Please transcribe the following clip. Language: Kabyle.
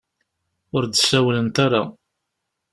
Ur d-sawlent ara.